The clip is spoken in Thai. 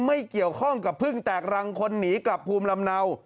ไม่เกี่ยวข้องกับพึ่งแตกรังคนหนีกลับภูมิลำเนา